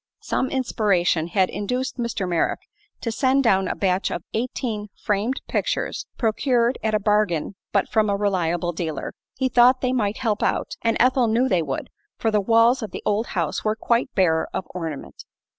Some inspiration had induced Mr. Merrick to send down a batch of eighteen framed pictures, procured at a bargain but from a reliable dealer. He thought they might "help out," and Ethel knew they would, for the walls of the old house were quite bare of ornament.